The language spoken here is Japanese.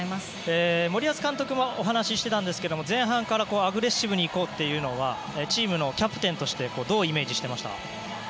森保監督もお話ししていたんですが前半からアグレッシブに行こうというのはチームのキャプテンとしてどうイメージしていましたか？